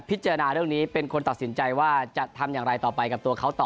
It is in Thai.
จานเรื่องนี้เป็นคนตัดสินใจว่าจะทำอย่างไรต่อไปกับตัวเขาต่อ